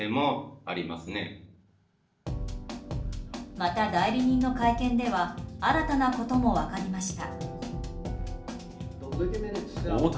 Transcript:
また、代理人の会見では新たなことも分かりました。